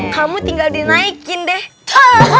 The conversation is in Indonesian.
kamu tinggal dinaikin deh